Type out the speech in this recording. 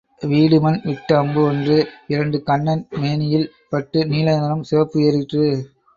வீடுமன் விட்ட அம்பு ஒன்று இரண்டு கண்ணன் மேனியில் பட்டு நீல நிறம் சிவப்பு ஏறிற்று.